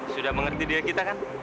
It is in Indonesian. sudah mengerti dia kita kan